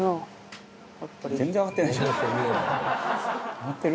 「上がってる？